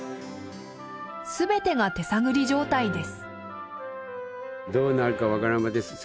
全てが手探り状態です。